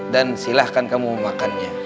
dan silahkan kamu memakannya